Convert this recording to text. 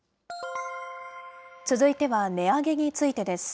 続いては値上げについてです。